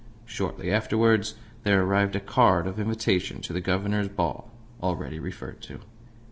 Shortly afterwards there arrived a card of invitation to the Governor's ball already referred to.